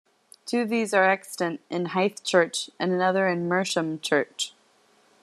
Two of these are extant in Hythe church, and another in Mersham church.